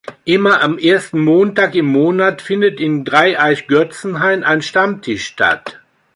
Immer am ersten Montag im Monat findet in Dreieich-Götzenhain ein Stammtisch statt.